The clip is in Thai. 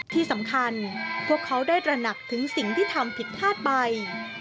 ที่สำคัญพวกเขาได้ตระหนักถึงสิ่งที่ทำผิดพลาดไป